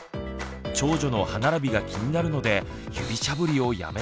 長女の歯並びが気になるので指しゃぶりをやめさせたいのですが。